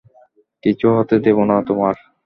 কিচ্ছু হতে দেবো না তোমার।